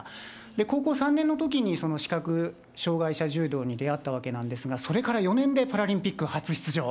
高校３年のときに、その視覚障害者柔道に出会ったわけなんですが、それから４年でパラリンピック初出場。